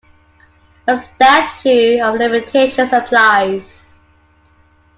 A statute of limitations applies.